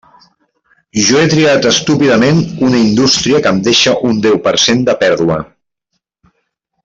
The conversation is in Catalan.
Jo he triat estúpidament una indústria que em deixa un deu per cent de pèrdua.